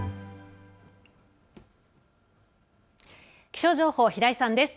気象情報、平井さんです。